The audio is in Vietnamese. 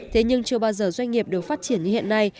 thế nhưng chưa bao giờ doanh nghiệp được phát triển như hiện nay